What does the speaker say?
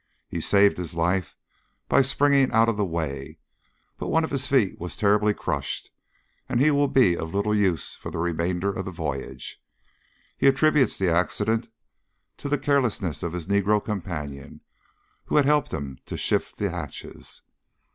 He saved his life by springing out of the way, but one of his feet was terribly crushed, and he will be of little use for the remainder of the voyage. He attributes the accident to the carelessness of his negro companion, who had helped him to shift the hatches.